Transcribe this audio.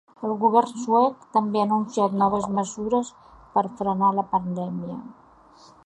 El govern suec també ha anunciat noves mesures per frenar la pandèmia.